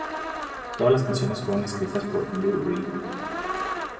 Todas las canciones fueron escritas por Lou Reed.